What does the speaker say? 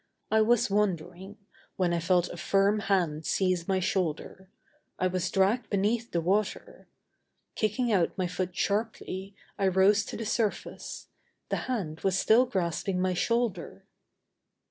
I was wondering, when I felt a firm hand seize my shoulder. I was dragged beneath the water. Kicking out my foot sharply, I rose to the surface. The hand was still grasping my shoulder.